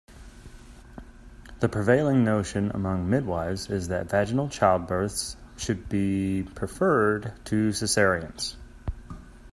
The prevailing notion among midwifes is that vaginal childbirths should be preferred to cesareans.